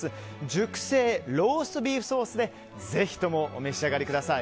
熟成ローストビーフソースでぜひともお召し上がりください。